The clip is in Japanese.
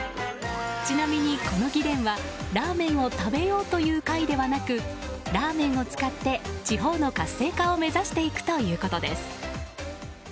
ちなみにこの議連はラーメンを食べようという会ではなくラーメンを使って地方の活性化を目指していくということです。